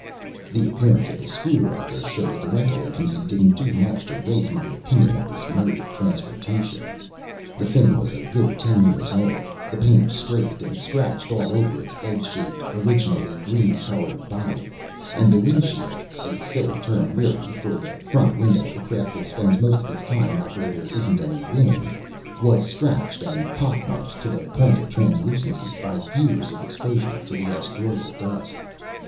The appearance of the scooter I was shown at the rental agency didn't do much to raise my opinion of this mode of transportation. The thing was a good ten years old, the paint scraped and scratched all over its egg shaped, originally green colored body, and the windshield a silly term, really, for the front window of a craft that spends most of its time out where there isn't any wind was scratched and pockmarked to the point of translucency by years of exposure to the asteroidal dust.